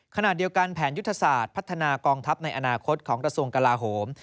ขณะเดียวกันแผนยุทธศาสตร์พัฒนากองทัพในอนาคตของกระทรวงกลาโหม